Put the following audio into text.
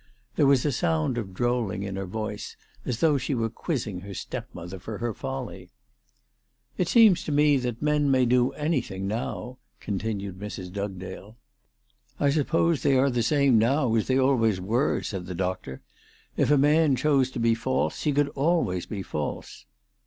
There was a sound of drolling in her voice, as though she were quizzing her stepmother for her folly. " It seems to me that men may do anything now," continued Mrs. Dugdale. " I suppose they are the same now as they always were," said the doctor. " If a man chose to be false he could always be false."